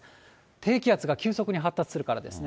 低気圧が急速に発達するからですね。